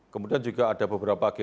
kemudian juga ada beberapa g